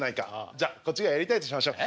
じゃあこっちがやりたいとしましょう。